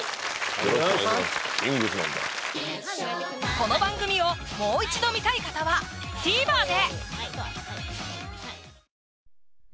この番組をもう一度観たい方はＴＶｅｒで！